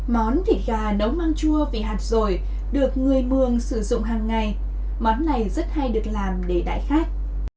món thịt gà nấu măng chua vị hạt dồi được người mường sử dụng hàng ngày món này rất hay được làm để đại khách